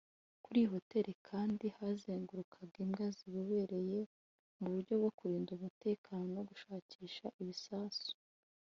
Kuri iyi hoteli kandi hazengurukaga imbwa zizobereye mu byo kurinda umutekano no gushakisha ibisasu